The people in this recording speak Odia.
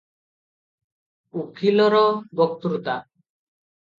"ଉକୀଲର ବକ୍ତୃତା-